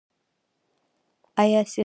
آیا سیخ ګول په داخل کې تولیدیږي؟